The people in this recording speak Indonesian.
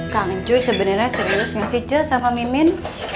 kangen cuy sebenernya serius gak sih ce sama mimin